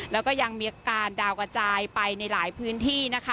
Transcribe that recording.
แล้วก็ยังมีการด่ากระจายไปในหลายพื้นที่